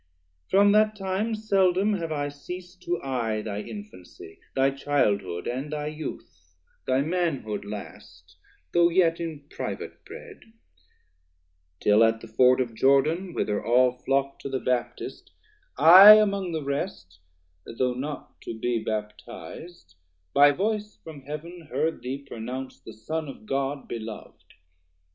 From that time seldom have I ceas'd to eye Thy infancy, thy childhood, and thy youth, Thy manhood last, though yet in private bred; Till at the Ford of Jordan whither all 510 Flock'd to the Baptist, I among the rest, Though not to be Baptiz'd, by voice from Heav'n Heard thee pronounc'd the Son of God belov'd.